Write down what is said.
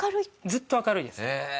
ずっと明るいです。